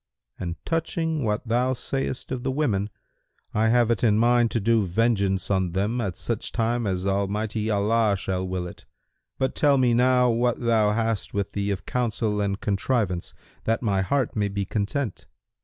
And touching what thou sayest of the women, I have it in mind to do vengeance on them at such time as Almighty Allah shall will it. But tell me now what thou hast with thee of counsel and contrivance, that my heart may be content."